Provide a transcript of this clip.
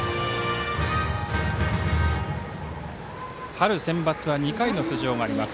春センバツは２回の出場があります。